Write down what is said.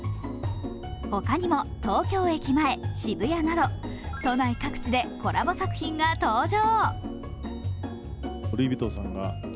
他にも東京駅前、渋谷など都内各地でコラボ作品が登場。